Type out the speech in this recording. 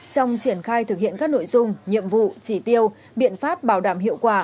trong triển khai thực hiện các nội dung nhiệm vụ chỉ tiêu biện pháp bảo đảm hiệu quả